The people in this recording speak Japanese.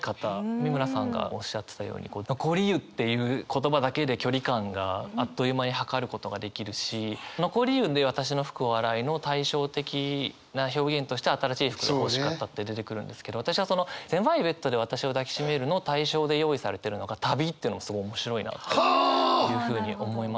美村さんがおっしゃってたように「残り湯」っていう言葉だけで距離感があっという間に測ることができるし「残り湯で私の服を洗い」の対照的な表現として「新しい服が欲しかった」って出てくるんですけど私はその「狭いベッドで私を抱きしめる」の対照で用意されてるのが「旅」っていうのすごい面白いなというふうに思いました。